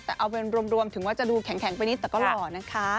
แต่เอาเป็นรวมถึงว่าจะดูแข็งไปนิดแต่ก็หล่อนะคะ